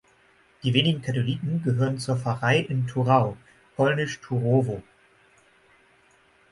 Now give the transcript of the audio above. Die wenigen Katholiken gehörten zur Pfarrei in Thurau (polnisch "Turowo").